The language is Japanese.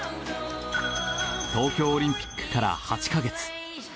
東京オリンピックから８か月。